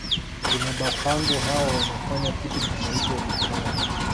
Kuna Bhakango hawa wanafanya kitu kinaitwa bhukango